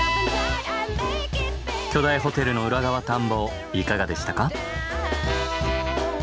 巨大ホテルの裏側探訪いかがでしたか？